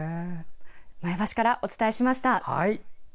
前橋からお伝えしました。